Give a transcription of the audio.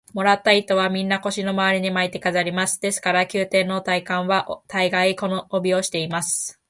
もらった糸は、みんな腰のまわりに巻いて飾ります。ですから、宮廷の大官は大がい、この帯をしています。